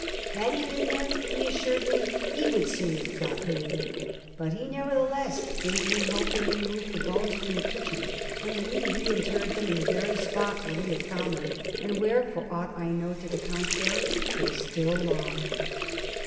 Had he been there, he assured me, he would soon have got rid of it; but he nevertheless made me help him remove the bones from the kitchen, and we reinterred them in the very spot where we had found them, and where, for aught I know to the contrary, they still lie."